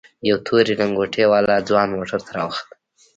يو تورې لنگوټې والا ځوان موټر ته راوخوت.